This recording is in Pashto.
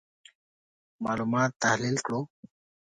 معلومات تحلیل کړو.